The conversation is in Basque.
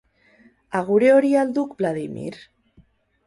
Agure hori al duk Vladimir?